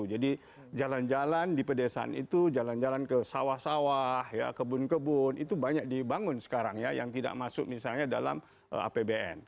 jadi jalan jalan di pedesaan itu jalan jalan ke sawah sawah kebun kebun itu banyak dibangun sekarang ya yang tidak masuk misalnya dalam apbn